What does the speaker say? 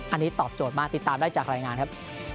อันนี้ตอบโจทย์มากติดตามได้จากรายงานครับ